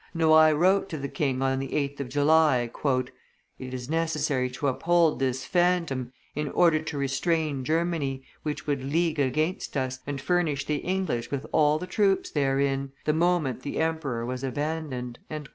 Noailles wrote to the king on the 8th of July, "It is necessary to uphold this phantom, in order to restrain Germany, which would league against us, and furnish the English with all the troops therein, the moment the emperor was abandoned."